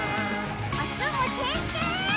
おつむてんてん！